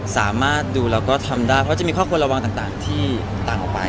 สามารถดูแล้วก็ทำได้เพราะจะมีข้อควรระวังต่างที่ต่างออกไป